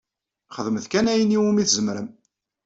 Xedmet kan ayen iwumi tzemrem.